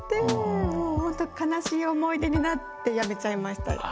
もうほんと悲しい思い出になってやめちゃいました。